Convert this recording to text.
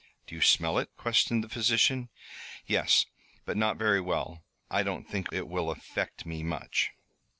"Do you smell it?" questioned the physician. "Yes, but not very well. I don't think it will affect me much."